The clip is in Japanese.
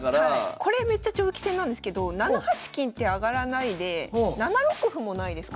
これめっちゃ長期戦なんですけど７八金って上がらないで７六歩もないですか？